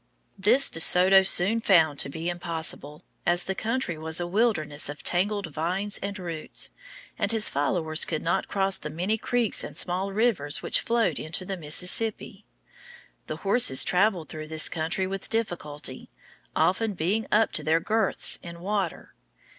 This De Soto soon found to be impossible, as the country was a wilderness of tangled vines and roots, and his followers could not cross the many creeks and small rivers which flowed into the Mississippi. The horses traveled through this country with difficulty, often being up to their girths in water.